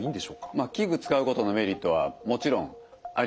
まあ器具使うことのメリットはもちろんありますよね。